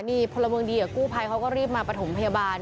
นี่พลเมืองดีกับกู้ภัยเขาก็รีบมาประถมพยาบาล